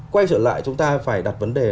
quay trở lại chúng ta phải đặt vấn đề